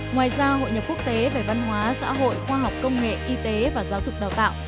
ngoài ra hội nhập quốc tế về văn hóa xã hội khoa học công nghệ y tế và giáo dục đào tạo